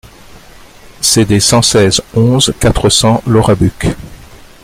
CD cent seize, onze, quatre cents Laurabuc